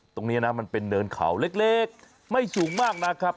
ตรงนี้นะมันเป็นเนินเขาเล็กไม่สูงมากนะครับ